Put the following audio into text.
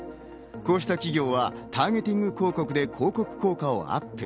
こうした企業はターゲティング広告で広告効果をアップ。